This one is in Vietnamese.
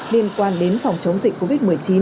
liên quan đến phòng chống dịch covid một mươi chín